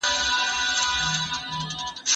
آيا موږ د ټولنيزو پديدو علت موندلای سو؟